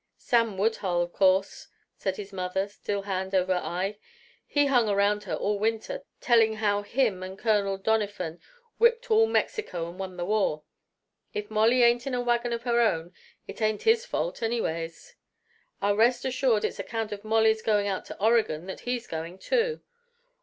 "Sam Woodhull, of course," said the mother, still hand over eye. "He hung around all winter, telling how him and Colonel Doniphan whipped all Mexico and won the war. If Molly ain't in a wagon of her own, it ain't his fault, anyways! I'll rest assured it's account of Molly's going out to Oregon that he's going too!